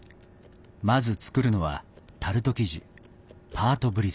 まず作るのはタルト生地パート・ブリゼ。